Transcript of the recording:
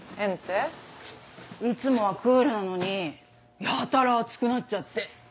いつもはクールなのにやたら熱くなっちゃって。